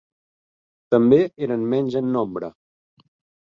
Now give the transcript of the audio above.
També eren menys en nombre.